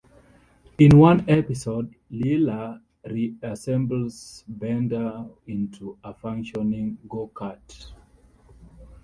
In one episode, Leela reassembles Bender into a functioning go-kart.